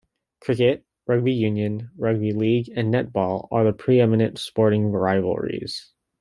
Cricket, rugby union, rugby league and netball are the preeminent sporting rivalries.